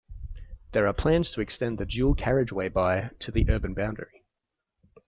There are plans to extend the dual carriageway by to the urban boundary.